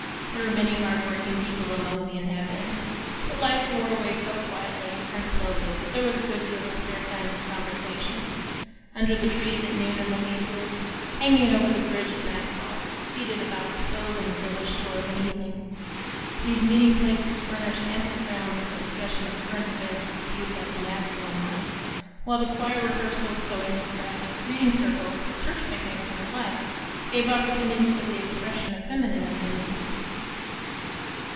There were many hard working people among the inhabitants, but life wore away so quietly and slowly that there was a good deal of spare time for conversation, under the trees at noon in the hayfield; hanging over the bridge at nightfall; seated about the stove in the village store of an evening. These meeting places furnished ample ground for the discussion of current events as viewed by the masculine eye, while choir rehearsals, sewing societies, reading circles, church picnics, and the like, gave opportunity for the expression of feminine opinion.